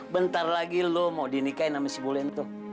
bentar lagi lo mau dinikahi sama si bulento